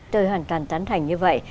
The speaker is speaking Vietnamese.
tôi hoàn toàn tán thành như vậy